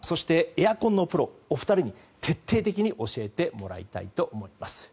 エアコンのプロお二人に徹底的に教えてもらいたいと思います。